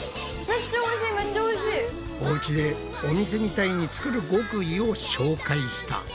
おうちでお店みたいに作る極意を紹介した。